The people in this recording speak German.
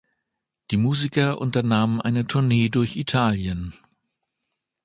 Die Musiker unternahmen eine Tournee durch Italien.